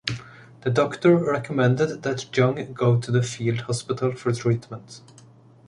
The doctor recommended that Young go to a field hospital for treatment.